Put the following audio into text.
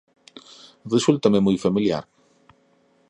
Resúltame moi familiar.